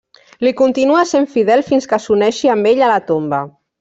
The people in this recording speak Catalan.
Li continua sent fidel fins que s'uneixi amb ell a la tomba.